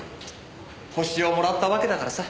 ホシをもらったわけだからさ